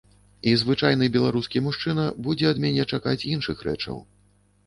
І звычайны беларускі мужчына будзе ад мяне чакаць іншых рэчаў.